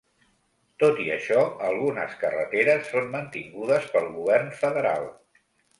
Tot i això, algunes carreteres són mantingudes pel govern federal.